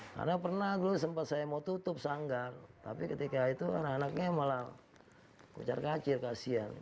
karena pernah dulu sempat saya mau tutup sanggar tapi ketika itu anak anaknya malah kucar kacir kasihan